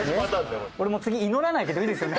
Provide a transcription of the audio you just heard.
俺もう次祈らないけどいいですよね？